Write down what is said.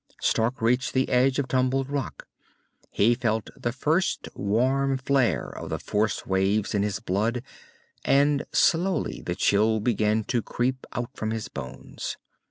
Stark reached the edge of tumbled rock. He felt the first warm flare of the force waves in his blood, and slowly the chill began to creep out from his bones.